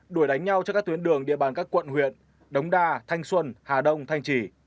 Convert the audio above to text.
đuổi đánh nhau trên các tuyến đường địa bàn các quận huyện đống đa thanh xuân hà đông thanh trì